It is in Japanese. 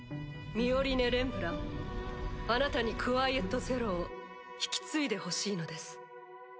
ミオリネ・レンブランあなたにクワイエット・ゼロを引き継いでほしいのです。